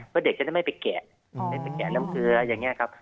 เพราะเด็กจะได้ไม่ไปแกะไม่ไปแกะน้ำเกลืออย่างนี้ครับ